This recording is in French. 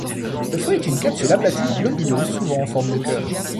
Le fruit est une capsule aplatie ou globuleuse, souvent en forme de cœur.